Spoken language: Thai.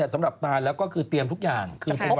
สำหรับตานแล้วก็คือเตรียมทุกอย่าง